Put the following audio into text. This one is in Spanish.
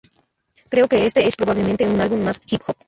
Creo que este es probablemente un álbum más hip-hop.